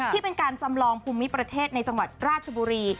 ที่เป็นการจำลองภูมิประเทศในจังหวัดราชบุรี